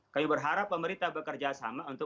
kami berharap pemerintah bekerjasama untuk